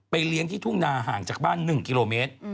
ไปเลี้ยงที่ถุงนาห่างจากบ้านหนึ่งกิโลเมตร